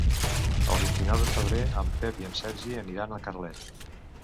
El vint-i-nou de febrer en Pep i en Sergi aniran a Carlet.